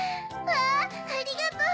わぁありがとう！